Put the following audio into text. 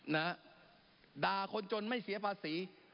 นะฮะด่าคนจนไม่เสียภาษี